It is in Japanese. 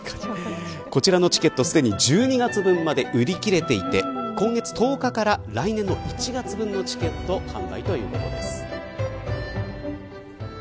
こちらのチケット、すでに１２月分まで売り切れていて今月１０日から来年１月分のチケット完売ということです。